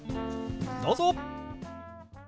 どうぞ！